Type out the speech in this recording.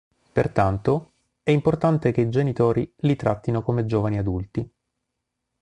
Pertanto, è importante che i genitori li trattino come giovani adulti.